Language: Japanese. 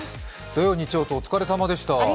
土曜、日曜とお疲れ様でした。